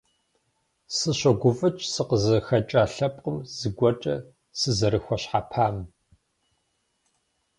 Сыщогуфӏыкӏ сыкъызыхэкӏа лъэпкъым зыгуэркӏэ сызэрыхуэщхьэпам.